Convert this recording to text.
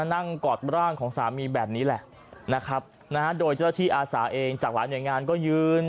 กอดร่างของสามีแบบนี้แหละนะครับนะฮะโดยเจ้าที่อาสาเองจากหลายหน่วยงานก็ยืน